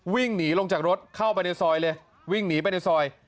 วิ่งหนีลงจากรถเข้าไปในซอยเลยวิ่งหนีไปในซอย